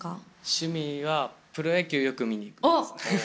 趣味はプロ野球よく見に行くことですね。